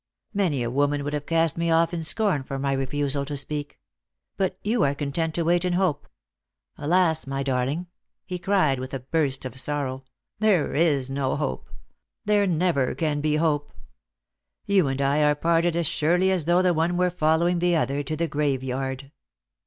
Many a woman would have cast me off in scorn for my refusal to speak. But you are content to wait in hope. Alas, my darling!" he cried, with a burst of sorrow; "there is no hope; there never can be hope. You and I are parted as surely as though the one were following the other to the graveyard."